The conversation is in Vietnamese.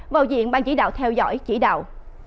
vào diện ban chỉ đạo theo dõi chỉ đạo